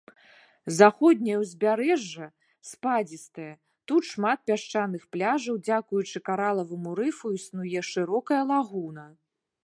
Заходняе ўзбярэжжа спадзістае, тут шмат пясчаных пляжаў, дзякуючы каралаваму рыфу існуе шырокая лагуна.